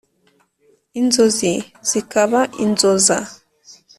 inzozi zikaba inzoza